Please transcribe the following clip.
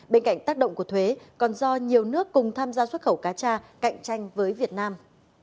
bên cạnh tác động của thuế còn do nhiều nước cùng tham gia xuất khẩu cá cha cạnh tranh với việt nam